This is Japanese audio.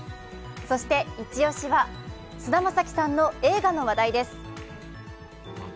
そして一押しは菅田将暉さんの映画の話題です。